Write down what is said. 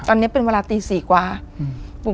ตอนเนี้ยเป็นเวลาตีสี่กว่าอืม